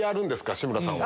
志村さんを。